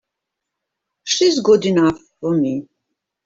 She's good enough for me!